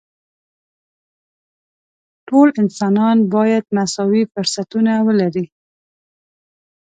ټول انسانان باید مساوي فرصتونه ولري.